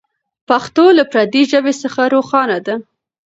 پښتو له پردۍ ژبې څخه روښانه ده.